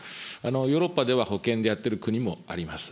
ヨーロッパでは保険でやってる国もあります。